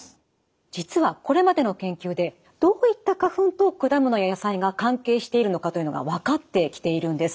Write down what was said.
実はこれまでの研究でどういった花粉と果物や野菜が関係しているのかというのが分かってきているんです。